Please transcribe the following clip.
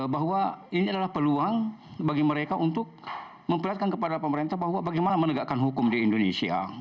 bahwa ini adalah peluang bagi mereka untuk memperlihatkan kepada pemerintah bahwa bagaimana menegakkan hukum di indonesia